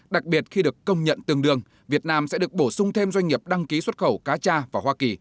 đặc biệt khi được công nhận tương đương việt nam sẽ được bổ sung thêm doanh nghiệp đăng ký xuất khẩu cá cha vào hoa kỳ